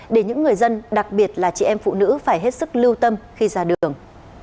để những người dân đặc biệt là chị em phụ nữ phải hết sức lưu tâm khi ra đường